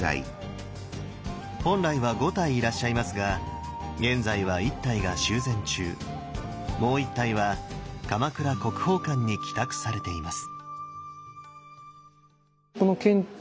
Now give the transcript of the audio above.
本来は５体いらっしゃいますが現在は１体が修繕中もう１体は鎌倉国宝館に寄託されています。